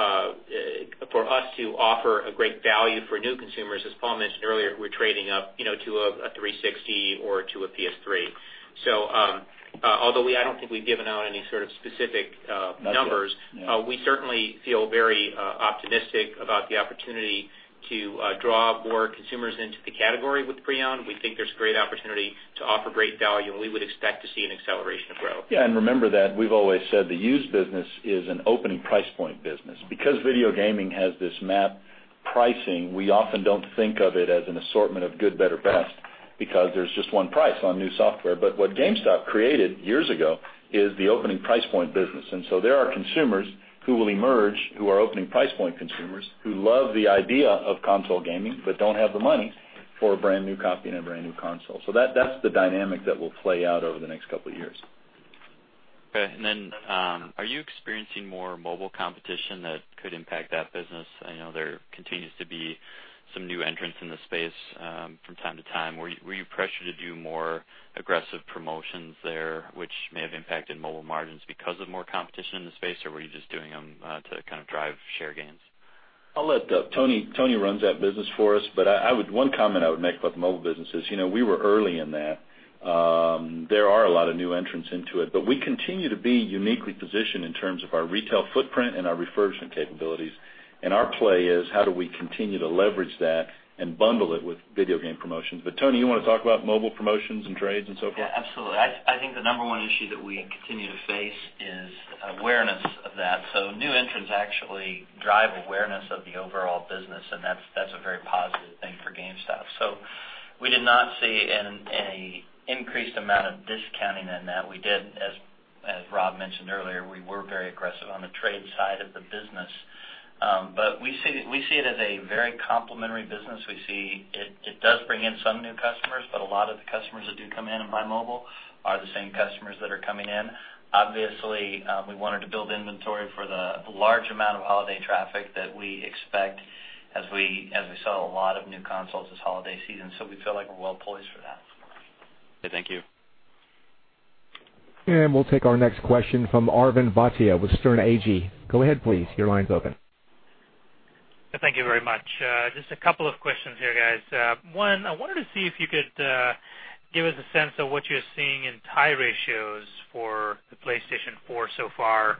[SPEAKER 6] us to offer a great value for new consumers. As Paul mentioned earlier, who are trading up to a 360 or to a PS3. Although I don't think we've given out any sort of specific numbers-
[SPEAKER 2] Not yet, no
[SPEAKER 6] We certainly feel very optimistic about the opportunity to draw more consumers into the category with pre-owned. We think there's great opportunity to offer great value, and we would expect to see an acceleration of growth.
[SPEAKER 2] Yeah, remember that we've always said the used business is an opening price point business. Because video gaming has this mapped pricing, we often don't think of it as an assortment of good, better, best because there's just one price on new software. What GameStop created years ago is the opening price point business. There are consumers who will emerge who are opening price point consumers who love the idea of console gaming but don't have the money for a brand-new copy and a brand-new console. That's the dynamic that will play out over the next couple of years.
[SPEAKER 9] Okay. Are you experiencing more mobile competition that could impact that business? I know there continues to be some new entrants in the space from time to time. Were you pressured to do more aggressive promotions there, which may have impacted mobile margins because of more competition in the space? Were you just doing them to kind of drive share gains?
[SPEAKER 2] I'll let Tony runs that business for us. One comment I would make about the mobile business is, we were early in that. There are a lot of new entrants into it, we continue to be uniquely positioned in terms of our retail footprint and our refurbishment capabilities. Our play is, how do we continue to leverage that and bundle it with video game promotions. Tony, you want to talk about mobile promotions and trades and so forth?
[SPEAKER 4] Yeah, absolutely. I think the number 1 issue that we continue to face is awareness of that. New entrants actually drive awareness of the overall business, that's a very positive thing for GameStop. We did not see any increased amount of discounting in that. We did, as Rob mentioned earlier, we were very aggressive on the trade side of the business. We see it as a very complementary business. We see it does bring in some new customers, a lot of the customers that do come in and buy mobile are the same customers that are coming in. Obviously, we wanted to build inventory for the large amount of holiday traffic that we expect as we sell a lot of new consoles this holiday season. We feel like we're well poised for that.
[SPEAKER 9] Okay, thank you.
[SPEAKER 1] We'll take our next question from Arvind Bhatia with Sterne Agee. Go ahead please, your line's open.
[SPEAKER 10] Thank you very much. Just a couple of questions here, guys. One, I wanted to see if you could give us a sense of what you're seeing in tie ratios for the PlayStation 4 so far,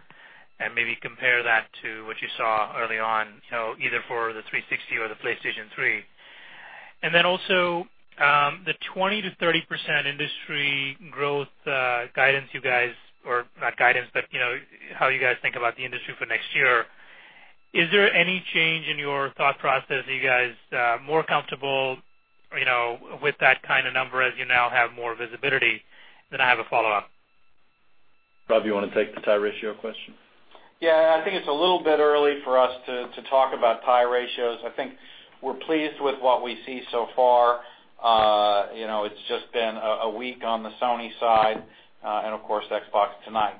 [SPEAKER 10] and maybe compare that to what you saw early on, either for the 360 or the PlayStation 3. Then also, the 20%-30% industry growth guidance you guys, or not guidance, but how you guys think about the industry for next year. Is there any change in your thought process? Are you guys more comfortable with that kind of number as you now have more visibility? I have a follow-up.
[SPEAKER 2] Rob, you want to take the tie ratio question?
[SPEAKER 3] Yeah, I think it's a little bit early for us to talk about tie ratios. I think we're pleased with what we see so far. It's just been a week on the Sony side, and of course, Xbox tonight.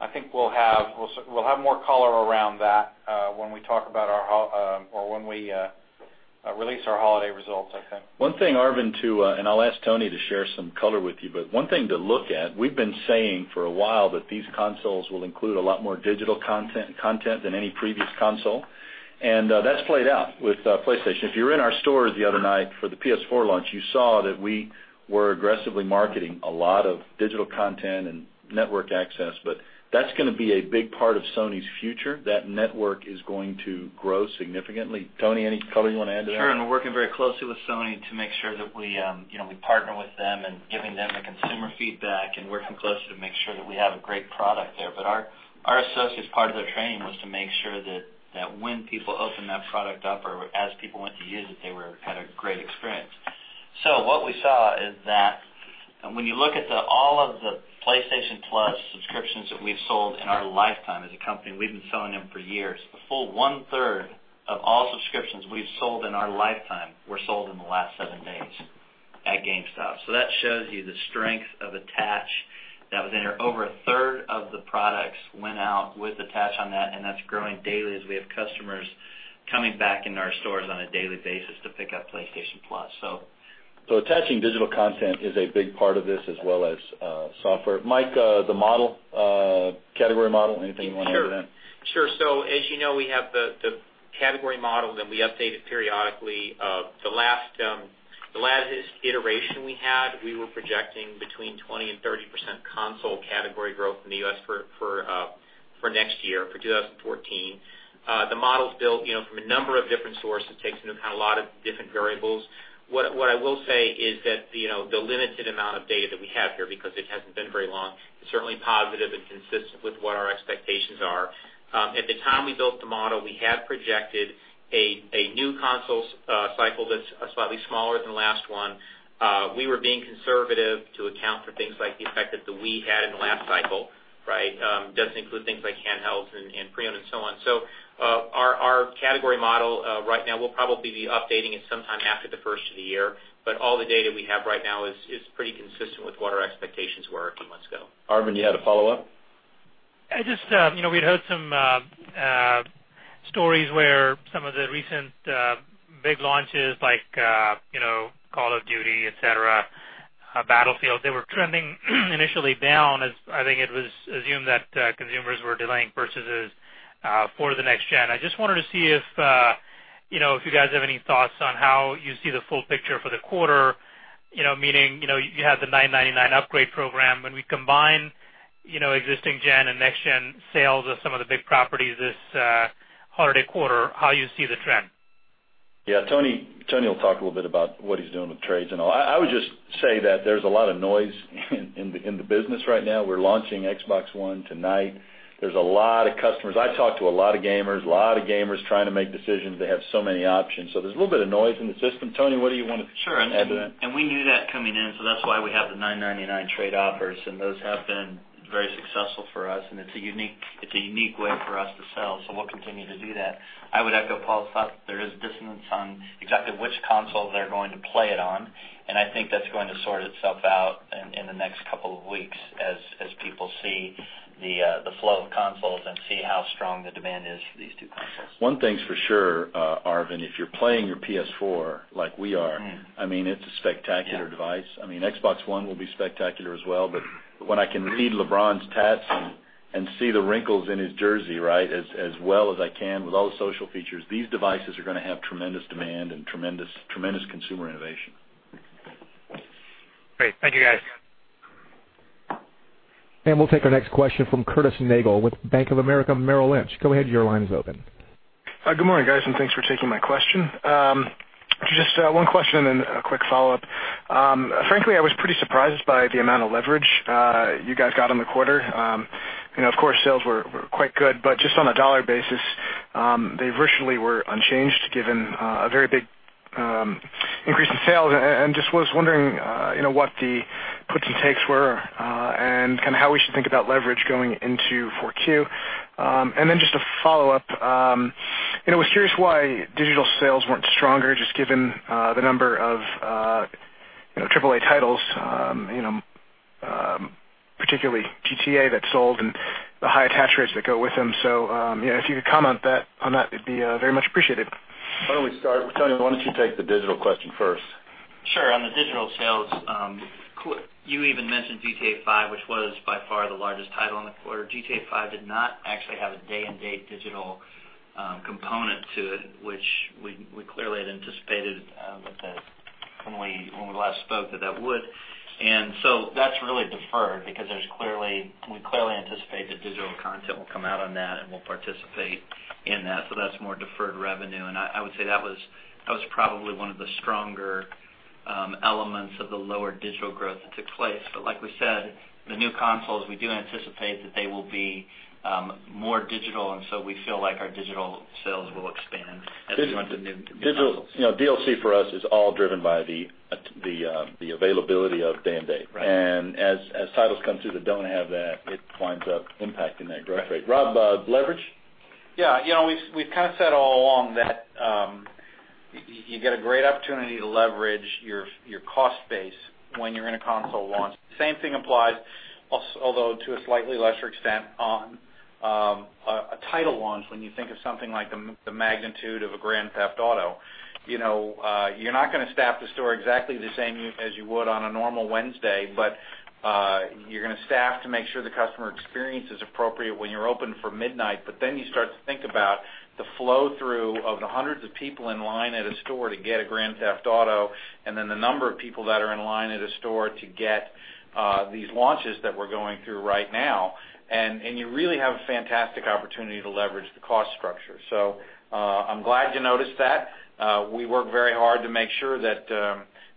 [SPEAKER 3] I think we'll have more color around that when we release our holiday results, I think.
[SPEAKER 2] One thing, Arvind, too, I'll ask Tony to share some color with you, but one thing to look at, we've been saying for a while that these consoles will include a lot more digital content than any previous console. That's played out with PlayStation. If you were in our stores the other night for the PS4 launch, you saw that we were aggressively marketing a lot of digital content and network access. That's going to be a big part of Sony's future. That network is going to grow significantly. Tony, any color you want to add to that?
[SPEAKER 4] Sure, we're working very closely with Sony to make sure that we partner with them and giving them the consumer feedback and working closely to make sure that we have a great product there. Our associates, part of their training was to make sure that when people open that product up or as people went to use it, they had a great experience. What we saw is that when you look at all of the PlayStation Plus subscriptions that we've sold in our lifetime as a company, we've been selling them for years. A full one-third of all subscriptions we've sold in our lifetime were sold in the last seven days. At GameStop. That shows you the strength of attach that was in there. Over a third of the products went out with attach on that's growing daily as we have customers coming back into our stores on a daily basis to pick up PlayStation Plus.
[SPEAKER 2] Attaching digital content is a big part of this as well as software. Mike, the model, category model, anything you want to add to that?
[SPEAKER 6] Sure. As you know, we have the category model that we updated periodically. The last iteration we had, we were projecting between 20%-30% console category growth in the U.S. for next year, for 2014. The model's built from a number of different sources, takes into account a lot of different variables. What I will say is that the limited amount of data that we have here, because it hasn't been very long, is certainly positive and consistent with what our expectations are. At the time we built the model, we had projected a new console cycle that's slightly smaller than the last one. We were being conservative to account for things like the effect that the Wii had in the last cycle. It doesn't include things like handhelds and pre-owned and so on. Our category model right now, we'll probably be updating it sometime after the first of the year, but all the data we have right now is pretty consistent with what our expectations were a few months ago.
[SPEAKER 2] Arvind, you had a follow-up?
[SPEAKER 10] We'd heard some stories where some of the recent big launches like Call of Duty, et cetera, Battlefield, they were trending initially down as, I think it was assumed that consumers were delaying purchases for the next-gen. I just wanted to see if you guys have any thoughts on how you see the full picture for the quarter, meaning, you have the $999 upgrade program. When we combine existing-gen and next-gen sales of some of the big properties this holiday quarter, how you see the trend.
[SPEAKER 2] Tony will talk a little bit about what he's doing with trades and all. I would just say that there's a lot of noise in the business right now. We're launching Xbox One tonight. There's a lot of customers. I talk to a lot of gamers, a lot of gamers trying to make decisions. They have so many options. There's a little bit of noise in the system. Tony, what do you want to add to that?
[SPEAKER 4] Sure. We knew that coming in, that's why we have the $999 trade offers, those have been very successful for us, it's a unique way for us to sell, we'll continue to do that. I would echo Paul's thought. There is dissonance on exactly which console they're going to play it on, I think that's going to sort itself out in the next couple of weeks as people see the flow of consoles and see how strong the demand is for these two consoles.
[SPEAKER 2] One thing's for sure, Arvind, if you're playing your PS4 like we are. I mean, it's a spectacular.
[SPEAKER 4] Yeah device. Xbox One will be spectacular as well, when I can read LeBron's tats and see the wrinkles in his jersey as well as I can with all the social features, these devices are going to have tremendous demand and tremendous consumer innovation.
[SPEAKER 10] Great. Thank you, guys.
[SPEAKER 1] We'll take our next question from Curtis Nagle with Bank of America Merrill Lynch. Go ahead, your line is open.
[SPEAKER 11] Good morning, guys, and thanks for taking my question. Just one question and a quick follow-up. Frankly, I was pretty surprised by the amount of leverage you guys got on the quarter. Of course, sales were quite good, but just on a dollar basis, they virtually were unchanged given a very big increase in sales. Just was wondering what the puts and takes were, and how we should think about leverage going into 4Q. Just a follow-up. I was curious why digital sales weren't stronger, just given the number of AAA titles, particularly GTA that sold and the high attach rates that go with them. If you could comment on that, it'd be very much appreciated.
[SPEAKER 2] Why don't we start with Tony? Why don't you take the digital question first?
[SPEAKER 4] Sure. On the digital sales, you even mentioned GTA V, which was by far the largest title in the quarter. GTA V did not actually have a day-and-date digital component to it, which we clearly had anticipated when we last spoke that would. That's really deferred because we clearly anticipate that digital content will come out on that, and we'll participate in that. That's more deferred revenue, and I would say that was probably one of the stronger elements of the lower digital growth that took place. Like we said, the new consoles, we do anticipate that they will be more digital, and we feel like our digital sales will expand as we launch the new consoles.
[SPEAKER 2] DLC for us is all driven by the availability of day and date.
[SPEAKER 4] Right. As titles come through that don't have that, it winds up impacting that growth rate. Rob, leverage?
[SPEAKER 3] Yeah. We've said all along that you get a great opportunity to leverage your cost base when you're in a console launch. Same thing applies, although to a slightly lesser extent, on a title launch when you think of something like the magnitude of a Grand Theft Auto. You're not going to staff the store exactly the same as you would on a normal Wednesday, but you're going to staff to make sure the customer experience is appropriate when you're open for midnight. You start to think about the flow-through of the hundreds of people in line at a store to get a Grand Theft Auto, the number of people that are in line at a store to get these launches that we're going through right now, you really have a fantastic opportunity to leverage the cost structure. I'm glad you noticed that. We work very hard to make sure that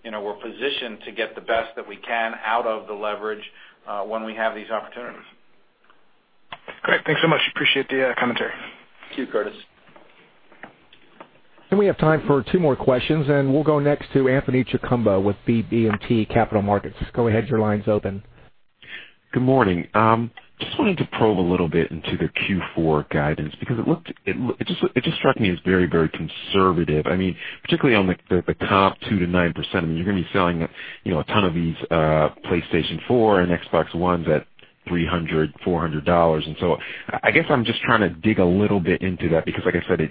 [SPEAKER 3] we're positioned to get the best that we can out of the leverage when we have these opportunities.
[SPEAKER 11] Great. Thanks so much. Appreciate the commentary.
[SPEAKER 3] Thank you, Curtis.
[SPEAKER 1] We have time for two more questions, we'll go next to Anthony Chukumba with BB&T Capital Markets. Go ahead, your line's open.
[SPEAKER 12] Good morning. Just wanted to probe a little bit into the Q4 guidance because it just struck me as very conservative. Particularly on the comp 2%-9%, you're going to be selling a ton of these PlayStation 4 and Xbox One at $300, $400. I guess I'm just trying to dig a little bit into that because like I said,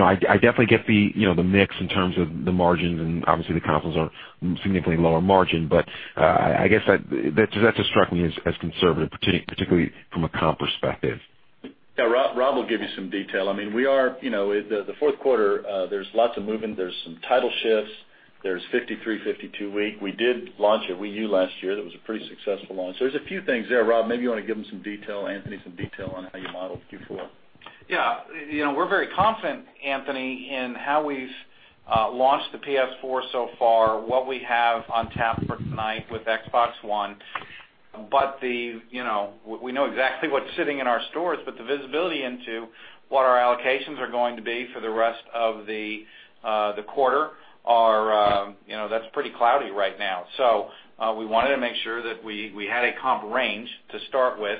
[SPEAKER 12] I definitely get the mix in terms of the margins, and obviously the consoles are significantly lower margin. I guess that just struck me as conservative, particularly from a comp perspective.
[SPEAKER 2] Yeah, Rob will give you some detail. The fourth quarter, there's lots of movement. There's some title shifts. There's 53/52 week. We did launch a Wii U last year that was a pretty successful launch. There's a few things there, Rob, maybe you want to give him some detail, Anthony, some detail on how you modeled Q4.
[SPEAKER 3] We're very confident, Anthony, in how we've launched the PS4 so far, what we have on tap for tonight with Xbox One. We know exactly what's sitting in our stores, but the visibility into what our allocations are going to be for the rest of the quarter, that's pretty cloudy right now. We wanted to make sure that we had a comp range to start with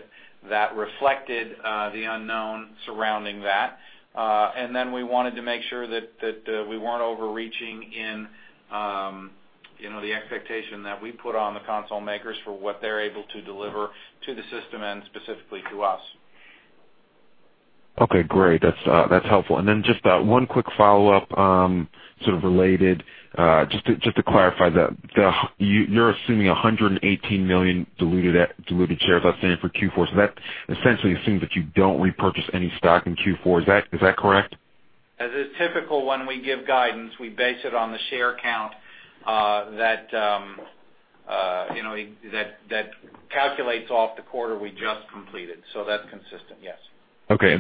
[SPEAKER 3] that reflected the unknown surrounding that. We wanted to make sure that we weren't overreaching in the expectation that we put on the console makers for what they're able to deliver to the system and specifically to us.
[SPEAKER 12] Okay, great. That's helpful. Just one quick follow-up, sort of related. Just to clarify, you're assuming 118 million diluted shares outstanding for Q4, that essentially assumes that you don't repurchase any stock in Q4. Is that correct?
[SPEAKER 3] As is typical, when we give guidance, we base it on the share count that calculates off the quarter we just completed. That's consistent, yes.
[SPEAKER 12] Okay.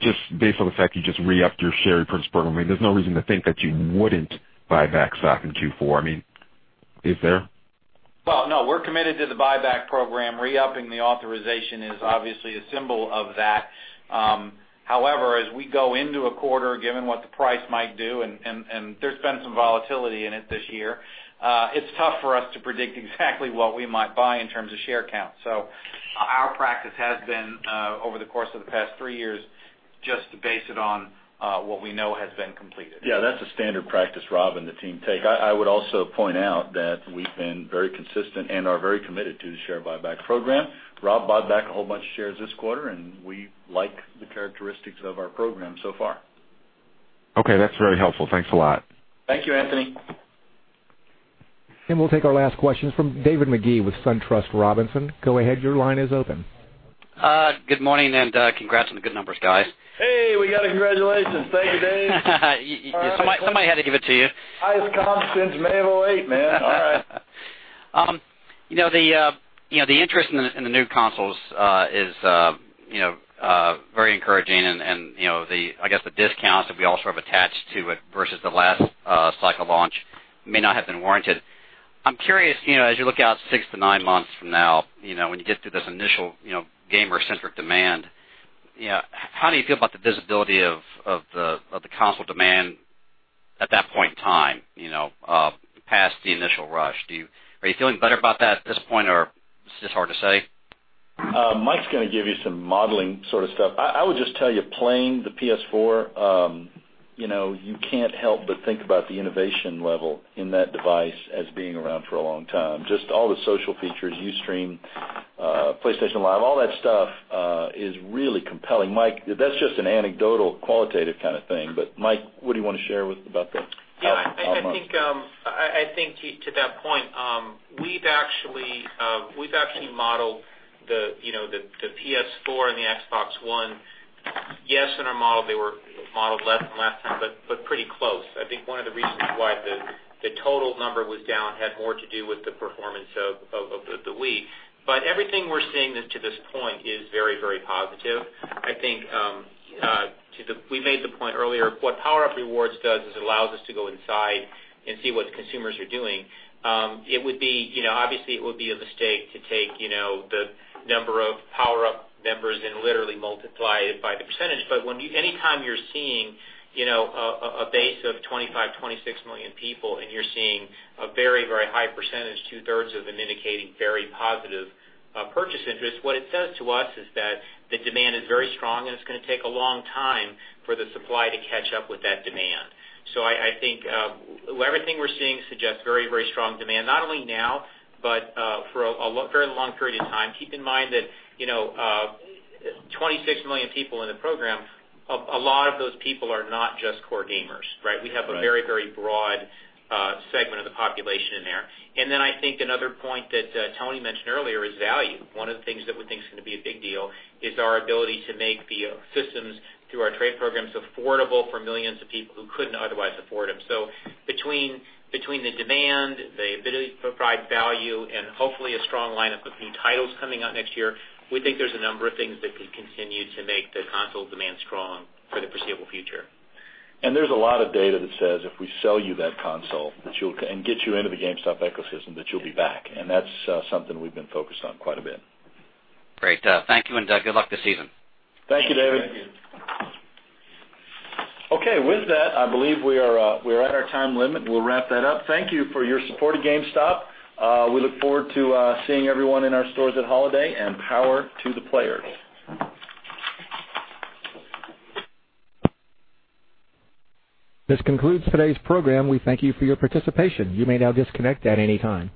[SPEAKER 12] Just based on the fact you just re-upped your share repurchase program, there's no reason to think that you wouldn't buy back stock in Q4. Is there?
[SPEAKER 3] Well, no, we're committed to the buyback program. Re-upping the authorization is obviously a symbol of that. However, as we go into a quarter, given what the price might do, and there's been some volatility in it this year, it's tough for us to predict exactly what we might buy in terms of share count. Our practice has been, over the course of the past three years, just to base it on what we know has been completed.
[SPEAKER 2] Yeah, that's a standard practice Rob and the team take. I would also point out that we've been very consistent and are very committed to the share buyback program. Rob bought back a whole bunch of shares this quarter, and we like the characteristics of our program so far.
[SPEAKER 12] Okay, that's very helpful. Thanks a lot.
[SPEAKER 3] Thank you, Anthony.
[SPEAKER 1] We'll take our last question from David Magee with SunTrust Robinson Humphrey. Go ahead, your line is open.
[SPEAKER 13] Good morning, congrats on the good numbers, guys.
[SPEAKER 2] Hey, we got a congratulations. Thank you, Dave.
[SPEAKER 13] Somebody had to give it to you.
[SPEAKER 2] Highest comp since May of 2008, man. All right.
[SPEAKER 13] The interest in the new consoles is very encouraging. I guess the discounts that we all sort of attached to it versus the last cycle launch may not have been warranted. I'm curious, as you look out six to nine months from now, when you get through this initial gamer-centric demand, how do you feel about the visibility of the console demand at that point in time, past the initial rush? Are you feeling better about that at this point, or is this hard to say?
[SPEAKER 2] Mike's going to give you some modeling sort of stuff. I would just tell you, playing the PS4, you can't help but think about the innovation level in that device as being around for a long time. Just all the social features, Ustream, PlayStation Live, all that stuff is really compelling. Mike, that's just an anecdotal, qualitative kind of thing. Mike, what do you want to share with about the
[SPEAKER 6] I think to that point, we've actually modeled the PS4 and the Xbox One. Yes, in our model, they were modeled less than last time, but pretty close. I think one of the reasons why the total number was down had more to do with the performance of the Wii. Everything we're seeing to this point is very positive. I think we made the point earlier, what PowerUp Rewards does is it allows us to go inside and see what the consumers are doing. Obviously, it would be a mistake to take the number of PowerUp members and literally multiply it by the percentage. Anytime you're seeing a base of 25, 26 million people, and you're seeing a very high percentage, two-thirds of them indicating very positive purchase interest, what it says to us is that the demand is very strong, and it's going to take a long time for the supply to catch up with that demand. I think everything we're seeing suggests very strong demand, not only now, but for a very long period of time. Keep in mind that 26 million people in the program, a lot of those people are not just core gamers, right? Right. We have a very broad segment of the population in there. Then I think another point that Tony mentioned earlier is value. One of the things that we think is going to be a big deal is our ability to make the systems through our trade programs affordable for millions of people who couldn't otherwise afford them. Between the demand, the ability to provide value, and hopefully a strong line of new titles coming out next year, we think there's a number of things that could continue to make the console demand strong for the foreseeable future.
[SPEAKER 2] There's a lot of data that says if we sell you that console and get you into the GameStop ecosystem, that you'll be back, and that's something we've been focused on quite a bit.
[SPEAKER 13] Great. Thank you, and good luck this season.
[SPEAKER 2] Thank you, David.
[SPEAKER 3] Thank you.
[SPEAKER 2] Okay, with that, I believe we are at our time limit. We'll wrap that up. Thank you for your support of GameStop. We look forward to seeing everyone in our stores at holiday. Power to the players.
[SPEAKER 1] This concludes today's program. We thank you for your participation. You may now disconnect at any time.